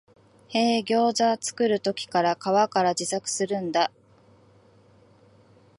へえ、ギョウザ作るとき皮から自作するんだ